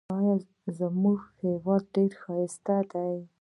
زموږ هیواد ډېر ښایسته دی.